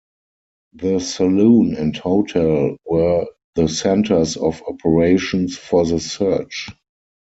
The saloon and hotel were the centers of operations for the search.